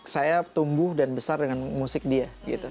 saya tumbuh dan besar dengan musik dia